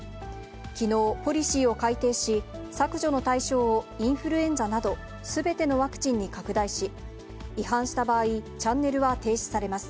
きのう、ポリシーを改訂し、削除の対象をインフルエンザなど、すべてのワクチンに拡大し、違反した場合、チャンネルは停止されます。